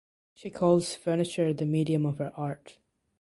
She calls furniture the medium of her art.